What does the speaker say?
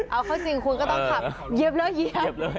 เอาเขาจริงคุณก็ต้องขับเย็บเลยเย็บ